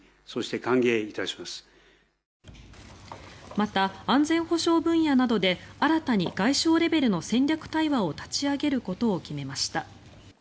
また、安全保障分野などで新たに外相レベルの戦略対話を立ち上げることを決めました。